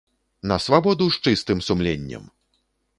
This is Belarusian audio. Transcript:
На свабоду з чыстым сумленнем!